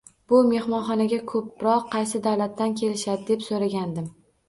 Bu mehmonxonaga koʻproq qaysi davlatlardan kelishadi, deb soʻraganimda